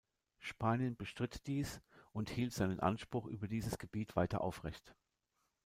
Spanien bestritt dies und hielt seinen Anspruch über dieses Gebiet weiter aufrecht.